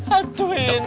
aduh ini lagi